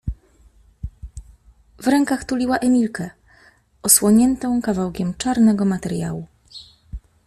W rękach tuliła Emilkę, osłoniętą kawałkiem czarnego materiału.